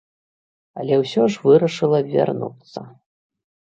Але ўсё ж вырашыла вярнуцца.